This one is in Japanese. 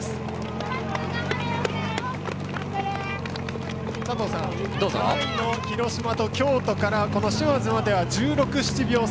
４位の広島と京都から嶋津までは１６１７秒差。